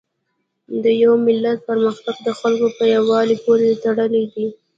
د یو ملت پرمختګ د خلکو په یووالي پورې تړلی دی.